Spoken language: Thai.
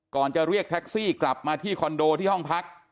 จะเรียกแท็กซี่กลับมาที่คอนโดที่ห้องพัก